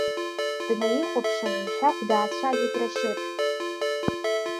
Днаихәаԥшын Мшәагә, даацәажәеит Рашьыҭ.